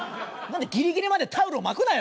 ギリギリまでタオルを巻くなよ！